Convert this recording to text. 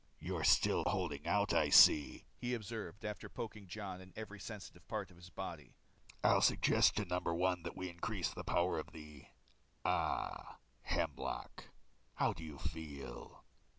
"You're still holding out, I see," he observed after poking Jon in every sensitive part of his body. "I'll suggest to No. 1 that we increase the power of the ah hemlock. How do you feel?"